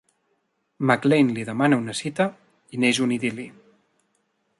McLain li demana una cita i neix un idil·li.